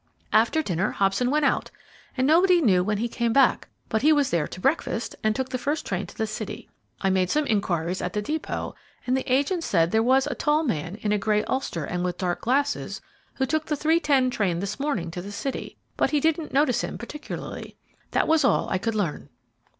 After dinner Hobson went out, and nobody knew when he came back; but he was there to breakfast, and took the first train to the city. I made some inquiries at the depot, and the agent said there was a tall man, in a gray ulster and with dark glasses, who took the 3.10 train this morning to the city, but he didn't notice him particularly. That was all I could learn."